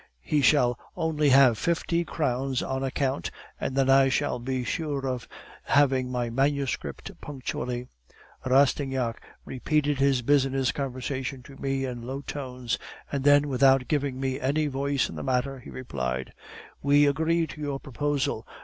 He shall only have fifty crowns on account, and then I shall be sure of having my manuscript punctually.' "Rastignac repeated this business conversation to me in low tones; and then, without giving me any voice in the matter, he replied: "'We agree to your proposal.